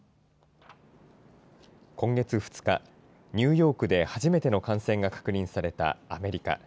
今月２日、ニューヨークで初めての感染が確認されたアメリカ。